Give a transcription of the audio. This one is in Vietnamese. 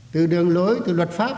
từ đường lối từ luật pháp